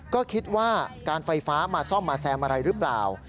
ก็คิดว่าการไฟฟ้ามาซ่อมมาแซมอะไรหรือเปล่า